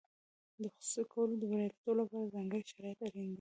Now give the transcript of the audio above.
د خصوصي کولو د بریالیتوب لپاره ځانګړي شرایط اړین دي.